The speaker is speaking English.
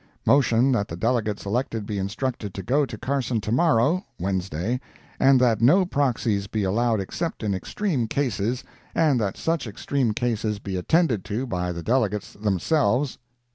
Motion that the delegates elected be instructed to go to Carson to morrow (Wednesday ) and that no proxies be allowed except in extreme cases, and that such extreme cases be attended to by the delegates, themselves.